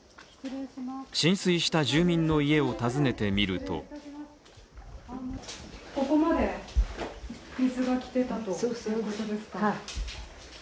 浸水した住民の家を訪ねてみるとここまで水が来ていたということですか。